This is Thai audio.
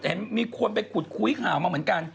เห็นมีคนไปขุดคุยข่าวมาเหมือนกัน